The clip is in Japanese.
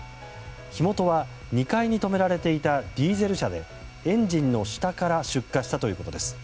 火元は２階に止められていたディーゼル車でエンジンの下から出火したということです。